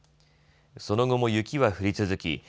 その後も雪は降り続き